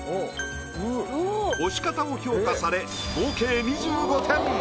押し方を評価され合計２５点。